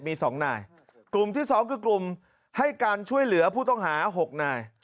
มี๒นายกลุ่มที่สองคือกลุ่มให้การช่วยเหลือผู้ต้องหา๖นาย